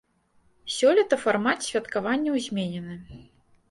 Сёлета фармат святкаванняў зменены.